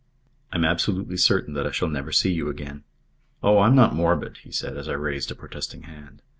I'm absolutely certain that I shall never see you again. Oh, I'm not morbid," he said, as I raised a protesting hand.